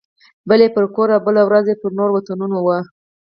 بله یې پر کور او بله ورځ یې پر نورو وطنونو وه.